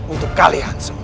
untuk kalian semua